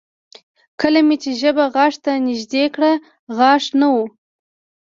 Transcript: کله مې چې ژبه غاښ ته نږدې کړه غاښ نه و